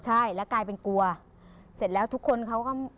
ใช่แล้วกลายเป็นกลัวเสร็จแล้วทุกคนเขาก็